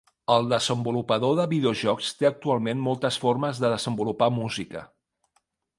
El desenvolupador de videojocs té actualment moltes formes de desenvolupar música.